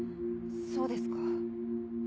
そうですか。